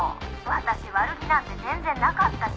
「私悪気なんて全然なかったし」